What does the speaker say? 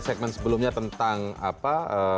segmen sebelumnya tentang apa